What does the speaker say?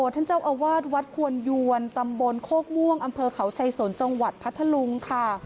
ท่านเจ้าอาวาสวัดควรยวนตำบลโคกม่วงอำเภอเขาชัยสนจังหวัดพัทธลุงค่ะ